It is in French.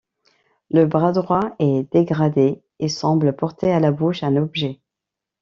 Le bras droit est dégradé, et semble porter à la bouche un objet.